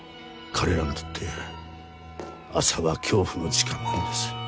彼らにとって朝は恐怖の時間なんです。